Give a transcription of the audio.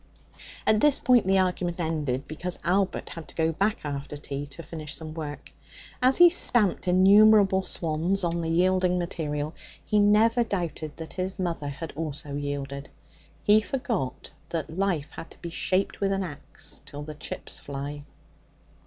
At this point the argument ended, because Albert had to go back after tea to finish some work. As he stamped innumerable swans on the yielding material, he never doubted that his mother had also yielded. He forgot that life had to be shaped with an axe till the chips fly.